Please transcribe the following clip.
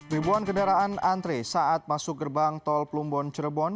ribuan kendaraan antre saat masuk gerbang tol plumbon cirebon